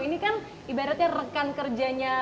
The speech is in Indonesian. ini kan ibaratnya rekan kerjanya